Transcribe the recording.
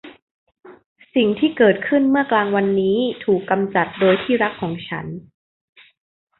สิ่งที่เกิดขึ้นเมื่อกลางวันนี้ถูกกำจัดโดยที่รักของฉัน